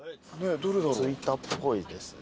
着いたっぽいですね。